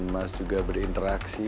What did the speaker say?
mas juga berinteraksi